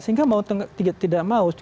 sehingga tidak mau